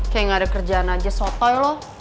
kayak gak ada kerjaan aja sotoy loh